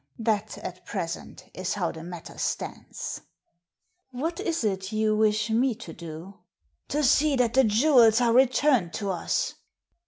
That, at present, is how the matter stands." " What is it you wish me to do ?"* To see that the jewels are returned to us.